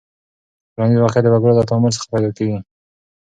ټولنیز واقعیت د وګړو له تعامل څخه پیدا کېږي.